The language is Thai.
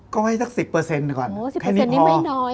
ก็ไว้สัก๑๐เปอร์เซ็นต์ก่อนแค่นี้พอ